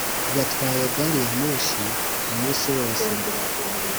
yatwaye gari ya moshi umunsi wose